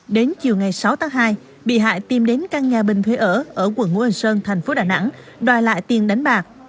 đến chiều ngày sáu tháng hai bị hại tìm đến căn nhà bình thuê ở ở quận nguồn sơn thành phố đà nẵng đòi lại tiền đánh bạc